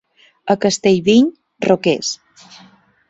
A Castellviny, roquers.